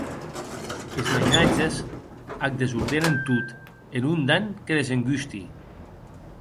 Es mainatges ac desordenen tot e non dan que desengusti.